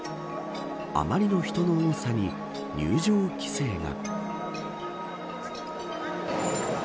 あまりの人の多さに入場規制が。